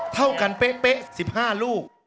เท่ากันเป๊ะ๑๕ลูก